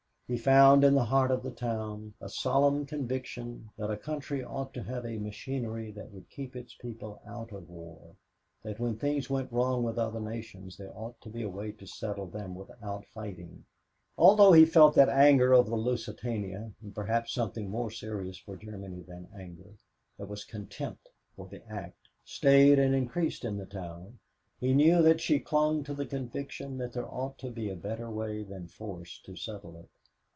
He found in the heart of the town a solemn conviction that a country ought to have a machinery that would keep its people out of war, that when things went wrong with other nations there ought to be a way to settle them without fighting. Although he felt that anger over the Lusitania and perhaps something more serious for Germany than anger, that was contempt for the act stayed and increased in the town, he knew that she clung to the conviction that there ought to be a better way than force to settle it.